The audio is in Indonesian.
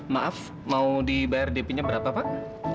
maaf mau dibayar depinya berapa pak